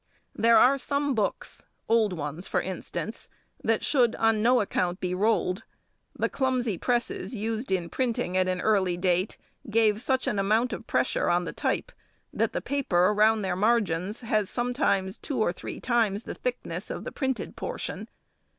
There are some books, old ones for instance, that should on no account be rolled. The clumsy presses used in printing at an early date gave such an amount of pressure on the type that the paper round their margins has sometimes two or three times the thickness of the printed portion.